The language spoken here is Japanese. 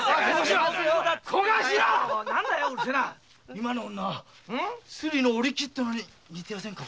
今の女スリのお力ってのに似てませんか？